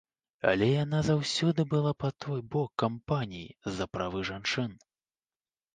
Але яна заўсёды была па той бок кампаній за правы жанчын.